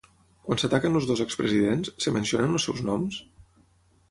Quan s'ataquen els dos expresidents, es mencionen els seus noms?